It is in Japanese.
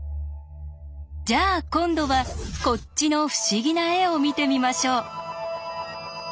じゃあ今度はこっちの不思議な絵を見てみましょう。